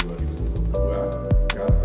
k pertinjauan lapangan